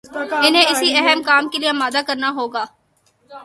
انہیں اس اہم کام کے لیے آمادہ کرنا ہو گا